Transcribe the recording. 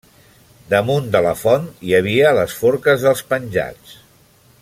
Damunt de la font hi havia les forques dels penjats.